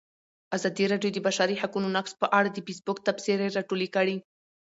ازادي راډیو د د بشري حقونو نقض په اړه د فیسبوک تبصرې راټولې کړي.